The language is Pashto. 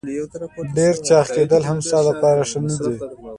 ډېر چاغ کېدل هم ستا لپاره ښه نه دي.